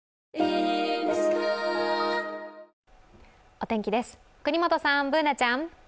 お天気です、國本さんＢｏｏｎａちゃん。